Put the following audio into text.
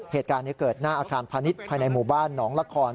เหตุการณ์นี้เกิดหน้าอาคารพาณิชย์ภายในหมู่บ้านหนองละคร